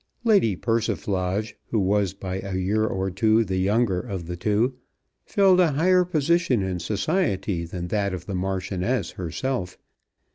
Lady Persiflage, who was by a year or two the younger of the two, filled a higher position in society than that of the Marchioness herself.